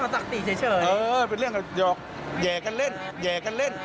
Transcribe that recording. เอิ่่อเป็นเรื่องกับเหย่ากันเล่นจัง